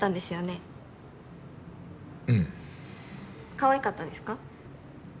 かわいかったですか？